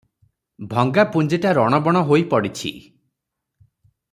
ଭଙ୍ଗା ପୁଞ୍ଜିଟା ରଣବଣ ହୋଇ ପଡିଛି ।"